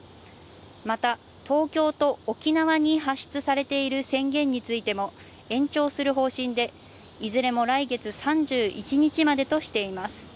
また東京と沖縄に発出されている宣言についても延長する方針で、いずれも来月３１日までとしています。